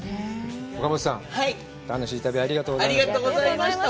岡本さん、すてきな旅、ありがとうございました。